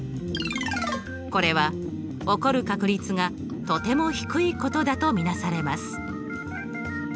これは起こる確率がとても低いことだと見なされます。